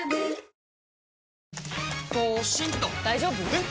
えっ⁉